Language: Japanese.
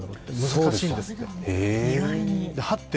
難しいんですって。